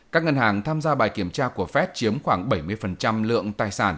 các ngân hàng tham gia bài kiểm tra của fed chiếm khoảng bảy mươi lượng tài sản